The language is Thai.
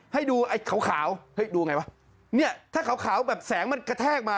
ให้ดูไอ้ขาวขาวเฮ้ยดูไงวะเนี่ยถ้าขาวขาวแบบแสงมันกระแทกมา